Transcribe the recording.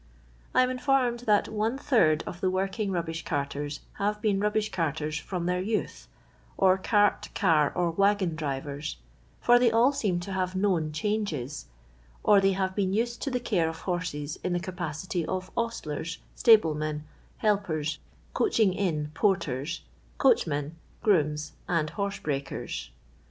I am informed that one third of tho working rubbish cartcra have been rubbiah cart'»rs from their youth, or cart, car, or waggou drivora, for they all seem to have known changes ; or they have been used to the care of horses in the capacity of ostlers, stable men, helpera, coachine iun por ters, coachmen, grooms, and horse Lreakors.